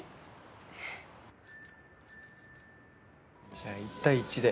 じゃあ１対１で。